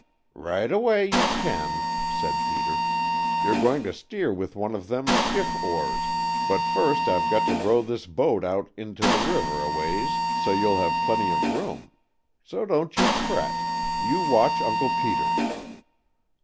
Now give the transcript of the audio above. "Right away you can," said Peter. "You're going to steer with one of them skiff oars, but first I've got to row this boat out into the river a ways so you'll have plenty of room. So don't you fret. You watch Uncle Peter."